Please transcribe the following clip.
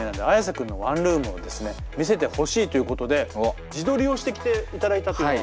君のワンルームをですね見せてほしいということで自撮りをしてきていただいたというのは。